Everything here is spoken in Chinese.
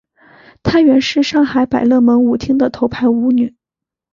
她原是上海百乐门舞厅的头牌舞女。